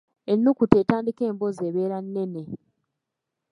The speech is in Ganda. Ennukuta etandika emboozi ebeera nnene.